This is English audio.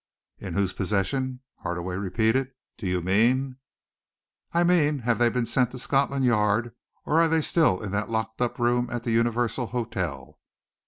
"In whose possession," Hardaway repeated. "Do you mean " "I mean have they been sent to Scotland Yard, or are they still in that locked up room at the Universal Hotel?"